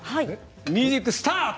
ミュージックスタート。